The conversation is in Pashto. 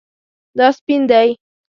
دا سپین دی